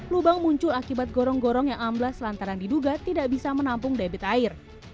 lubang muncul akibat gorong gorong yang amblas lantaran diduga tidak bisa menampung debit air